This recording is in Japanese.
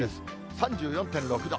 ３４．６度。